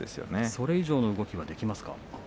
それ以上の動きはできますか？